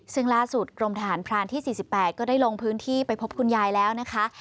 ซึ่งล่าสุดกรมทหารพรานที่๔๘ก็ได้ลงพื้นที่ไปพบคุณยายแล้วนะคะ